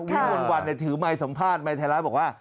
วิวันถือไมสัมภาษณ์ไมค์ไทยไลน์บอกว่า